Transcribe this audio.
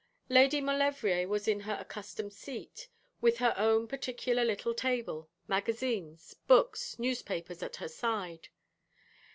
Lady Maulevrier was in her accustomed seat, with her own particular little table, magazines, books, newspapers at her side.